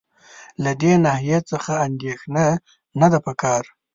له دې ناحیې څخه اندېښنه نه ده په کار.